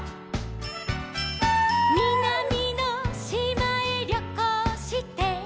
「みなみのしまへりょこうして」